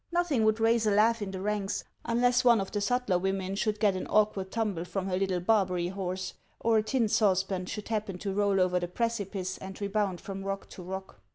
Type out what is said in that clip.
Nothing would raise a laugh in the ranks, unless one of the sutler women should get an awkward tumble from her little Barbaiy horse, or a tin saucepan should happen to roll over the precipice and rebound from rock to rock.